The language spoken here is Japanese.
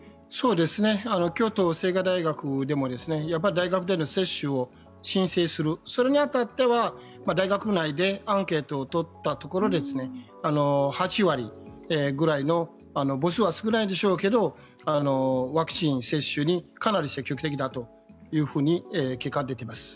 京都精華大学でもやっぱり大学での接種を申請するそれに当たっては大学内でアンケートを取ったところ８割ぐらいの母数は少ないんでしょうけどワクチン接種にかなり積極的だと結果が出ています。